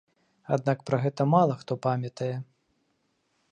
Аднак пра гэта мала хто памятае.